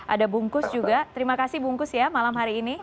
ada bungkus juga terima kasih bungkus ya malam hari ini